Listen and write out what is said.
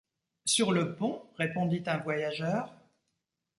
Sur le pont? répondit un voyageur.